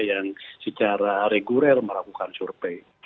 yang secara reguler melakukan survei